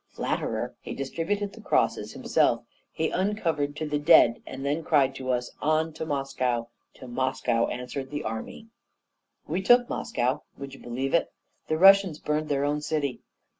Flatterer! he distributed the crosses himself, he uncovered to the dead, and then he cried to us, 'On! to Moscow!' 'To Moscow!' answered the army. "We took Moscow. Would you believe it? the Russians burned their own city!